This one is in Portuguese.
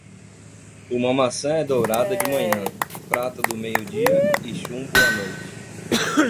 Uma maçã é dourada de manhã, prata do meio dia e chumbo à noite.